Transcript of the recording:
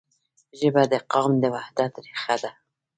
ژبه د قام د وحدت رښه ده.